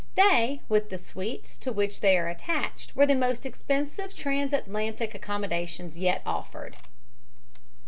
They, with the suites to which they are attached, were the most expensive transatlantic accommodations yet offered.